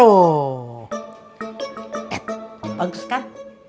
teh bagus kan